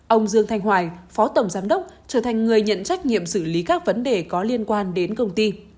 ông dương thanh hoài phó tổng giám đốc trở thành người nhận trách nhiệm xử lý các vấn đề có liên quan đến công ty